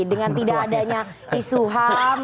dengan tidak adanya isu ham